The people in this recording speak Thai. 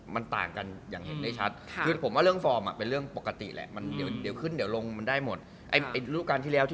มันมีการสามารถเปิดปันการกัด